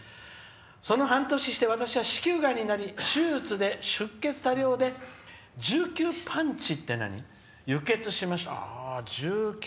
その半年後、私は子宮がんになり「出血多量で１９パンチ輸血しました。